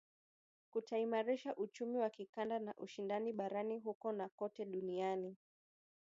Kutaimarisha uchumi wa kikanda na ushindani barani huko na kote duniani.